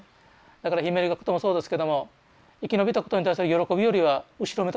だからひめゆり学徒もそうですけども生き延びたことに対する喜びよりは後ろめたさがあるわけですよ。